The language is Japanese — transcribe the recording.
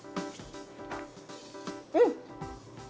うん！